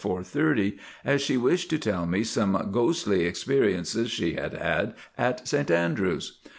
30, as she wished to tell me some ghostly experiences she had had at St Andrews.